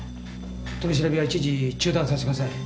取り調べは一時中断させてください。